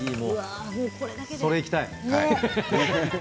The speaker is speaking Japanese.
それいきたい。